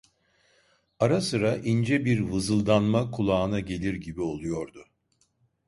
Ara sıra ince bir vızıldanma kulağına gelir gibi oluyordu.